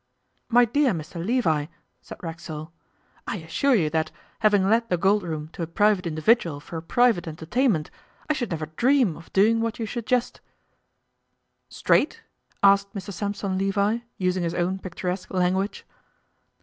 'My dear Mr Levi,' said Racksole, 'I assure you that, having let the Gold Room to a private individual for a private entertainment, I should never dream of doing what you suggest.' 'Straight?' asked Mr Sampson Levi, using his own picturesque language.